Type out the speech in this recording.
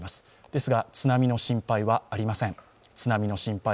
ですが津波の心配はありません。